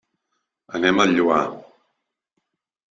Anem al Lloar.